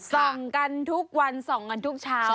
ส่องกันทุกวันส่องกันทุกเช้า